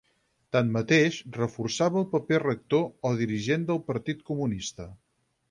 Tanmateix, reforçava el paper rector o dirigent del Partit Comunista.